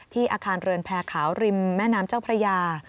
อาคารเรือนแพรขาวริมแม่น้ำเจ้าพระยา